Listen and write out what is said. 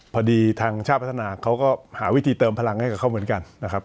พอดีทางชาติพัฒนาเขาก็หาวิธีเติมพลังให้กับเขาเหมือนกันนะครับ